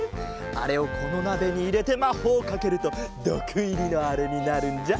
あれをこのなべにいれてまほうをかけるとどくいりのあれになるんじゃ。